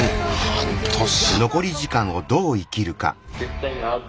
半年。